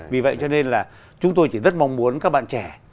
vì vậy cho nên là chúng tôi chỉ rất mong muốn các bạn trẻ